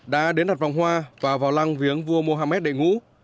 đã đến đặt vòng hoa và vào lăng viếng vua mohammed đệ ngũ